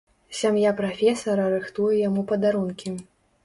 Сям'я прафесара рыхтуе яму падарункі.